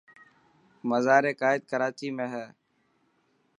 مزار قائد ڪراچي ۾ هي.